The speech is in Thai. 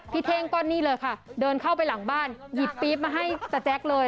เท่งก็นี่เลยค่ะเดินเข้าไปหลังบ้านหยิบปี๊บมาให้สแจ๊กเลย